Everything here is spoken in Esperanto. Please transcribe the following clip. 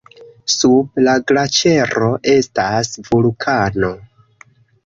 Sub la glaĉero estas vulkano.